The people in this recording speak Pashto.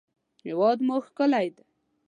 هېواد مو ښکلی دی